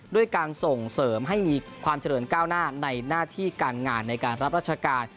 ด้วยการส่งเสริมให้มีความเจริญก้าวหน้าในหน้าที่การงานในการรับราชการ